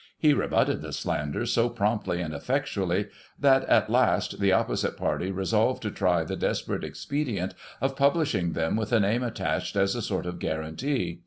He rebutted the slanders so promptly and effectually, that, at last, the oppo site party resolved to try the desperate expedient of pub lishing them with a name attached, as a sort of guarantee.